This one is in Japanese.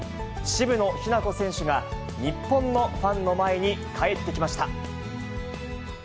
渋野日向子選手が、日本のファンの前に帰ってきました。